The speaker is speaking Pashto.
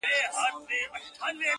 ورپسې د لويو لويو جنرالانو؛